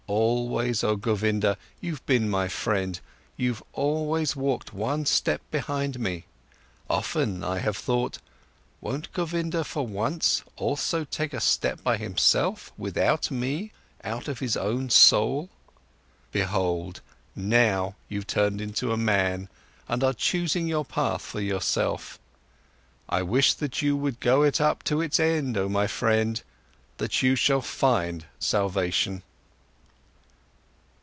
Always, oh Govinda, you've been my friend, you've always walked one step behind me. Often I have thought: Won't Govinda for once also take a step by himself, without me, out of his own soul? Behold, now you've turned into a man and are choosing your path for yourself. I wish that you would go it up to its end, oh my friend, that you shall find salvation!"